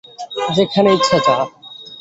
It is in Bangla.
যেখানে ইচ্ছে যা।